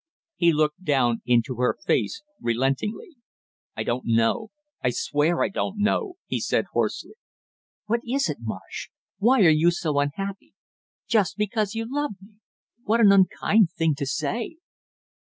He looked down into her face relentingly. "I don't know I swear I don't know!" he said hoarsely. "What is it, Marsh why are you so unhappy? Just because you love me? What an unkind thing to say!"